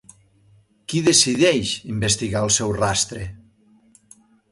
Qui decideix investigar el seu rastre?